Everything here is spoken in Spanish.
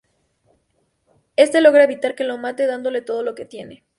Este logra evitar que lo mate, dándole todo lo que tiene.